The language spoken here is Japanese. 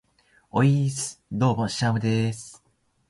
ｵｨｨｨｨｨｨｯｽ!どうもー、シャムでーす。